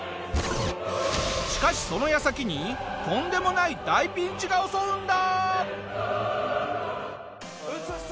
しかしその矢先にとんでもない大ピンチが襲うんだ！